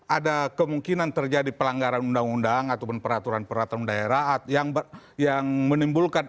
ada kemungkinan terjadi pelanggaran undang undang ataupun peraturan peraturan daerah yang menimbulkan